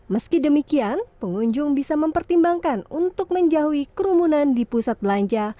meski demikian pengunjung bisa mempertimbangkan untuk menjauhi kerumunan di pusat belanja